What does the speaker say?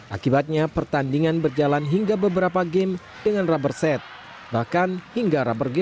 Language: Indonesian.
akibatnya pertandingan berjalan hingga beberapa game dengan rubber set bahkan hingga rubber game